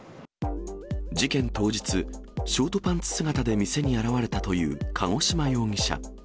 事件当日、ショートパンツ姿で店に現れたという鹿児島容疑者。